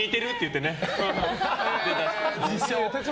って。